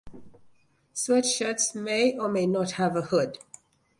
Sweatshirts may or may not have a hood.